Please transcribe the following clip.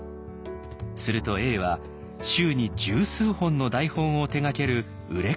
すると永は週に十数本の台本を手がける売れっ子作家に。